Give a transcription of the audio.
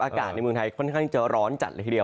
อากาศในเมืองไทยค่อนข้างจะร้อนจัดเลยทีเดียว